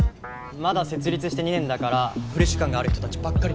まだ設立して２年だからフレッシュ感がある人たちばっかり。